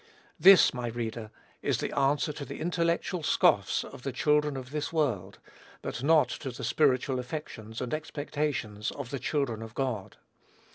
This, my reader, is the answer to the intellectual scoffs of the children of this world, but not to the spiritual affections and expectations of the children of God.